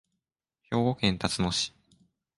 兵庫県たつの市